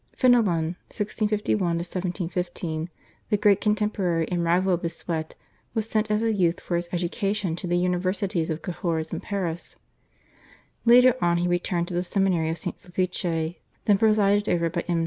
/Fenelon/ (1651 1715), the great contemporary and rival of Bossuet, was sent as a youth for his education to the Universities of Cahors and Paris. Later on he returned to the seminary of Saint Sulpice then presided over by M.